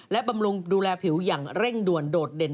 และบำรุงดูแลผิวอย่างเร่งด่วนโดดเด่น